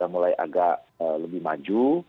mulai agak lebih maju